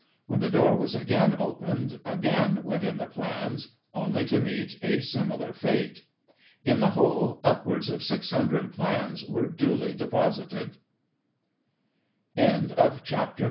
When the door was again opened, again went in the plans, only to meet a similar fate. " In the whole, upwards of 600 plans were duly deposited." Digitized by Google .